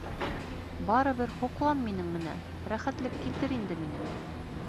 Барырбер һоҡлан минең менән, рәхәтлек килтер инде миңә!